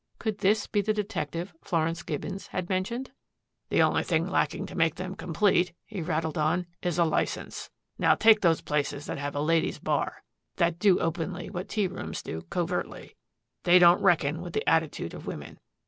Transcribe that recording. Could this be the detective Florence Gibbons had mentioned? "The only thing lacking to make them complete," he rattled on, "is a license. Now, take those places that have a ladies' bar that do openly what tea rooms do covertly. They don't reckon with the attitude of women.